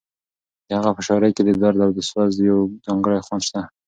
د هغه په شاعرۍ کې د درد او سوز یو ځانګړی خوند شته.